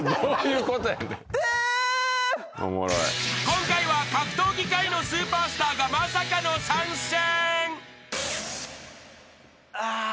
［今回は格闘技界のスーパースターがまさかの参戦］